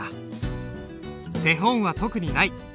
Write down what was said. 手本は特にない。